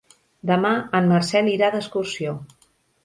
Demà en Marcel irà d'excursió.